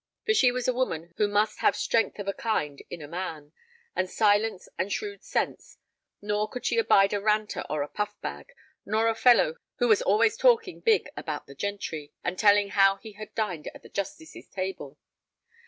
For she was a woman who must have strength of a kind in a man, and silence and shrewd sense, nor could she abide a ranter or a puff bag, nor a fellow who was always talking big about the gentry, and telling how he had dined at the justice's table.